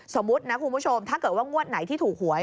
สมมุตินะคุณผู้ชมถ้าเกิดว่างวดไหนที่ถูกหวย